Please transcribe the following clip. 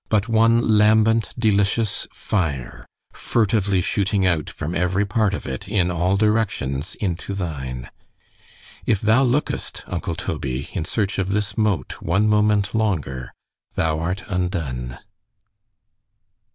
but one lambent delicious fire, furtively shooting out from every part of it, in all directions, into thine—— ——If thou lookest, uncle Toby, in search of this mote one moment longer,——thou art undone.